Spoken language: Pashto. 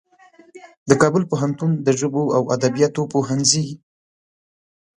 د کابل پوهنتون د ژبو او ادبیاتو پوهنځي